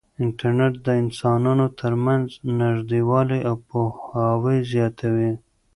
انټرنیټ د انسانانو ترمنځ نږدېوالی او پوهاوی زیاتوي.